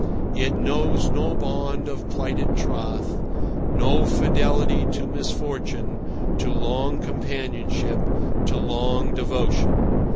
It knows no bond of plighted troth, no fidelity to misfortune, to long companionship, to long devotion.